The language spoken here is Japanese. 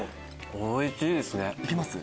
おいしいですね。